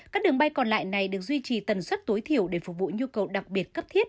các đường bay còn lại này được duy trì tần suất tối thiểu để phục vụ nhu cầu đặc biệt cấp thiết